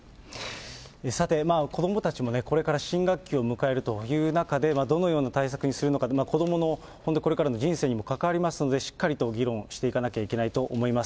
さて、子どもたちもこれから新学期を迎えるという中で、どのような対策にするのか、子どものこれからの人生にも関わりますので、しっかりと議論していかなきゃいけないと思います。